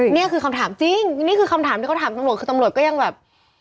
นี่คือคำถามจริงนี่คือคำถามที่เขาถามตำรวจคือตำรวจก็ยังแบบ